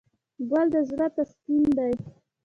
ګل د زړه تسکین دی.